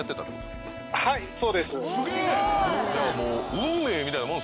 はい。